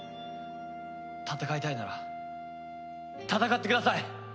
戦いたいなら戦ってください！